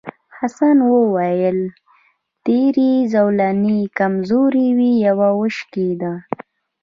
حسن وویل تېرې زولنې کمزورې وې یوه وشکېده.